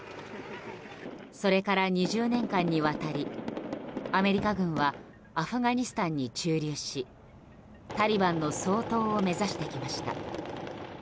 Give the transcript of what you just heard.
それから２０年間にわたりアメリカ軍はアフガニスタンに駐留しタリバンの掃討を目指してきました。